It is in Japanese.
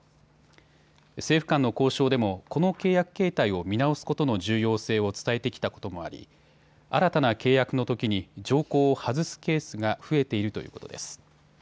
政府間の交渉でもこの契約形態を見直すことの重要性を伝えてきたこともあり新たな契約のときに条項を外すケースが増えているということです。